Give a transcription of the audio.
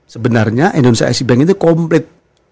sebenarnya indonesia asy bank itu komplit